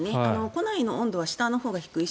庫内の温度は下のほうが低い。